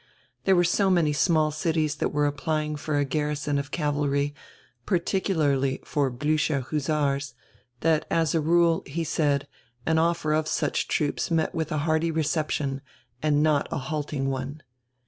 There were so many small cities that were applying for a garrison of cavalry, particularly for Blucher hussars, that as a rule, he said, an offer of such troops met with a hearty reception, and not a halting one.